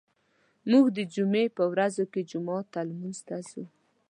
موږ د جمعې په ورځو کې جومات ته لمونځ ته ځو.